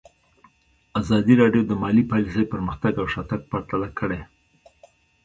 ازادي راډیو د مالي پالیسي پرمختګ او شاتګ پرتله کړی.